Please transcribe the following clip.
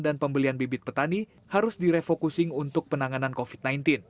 dan pembelian bibit petani harus direfokus untuk penanganan covid sembilan belas